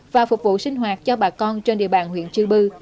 và phục vụ sinh hoạt cho bà con trên địa bàn huyện chư bư